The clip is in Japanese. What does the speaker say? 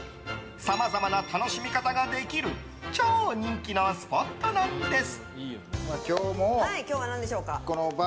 さまざまな楽しみ方ができる超人気のスポットなんです。